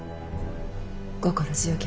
心強き